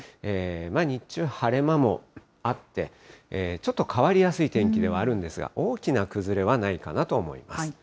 日中、晴れ間もあって、ちょっと変わりやすい天気ではあるんですが、大きな崩れはないかなと思います。